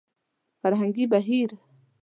فرهنګي بهير